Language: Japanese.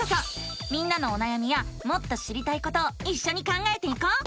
みんなのおなやみやもっと知りたいことをいっしょに考えていこう！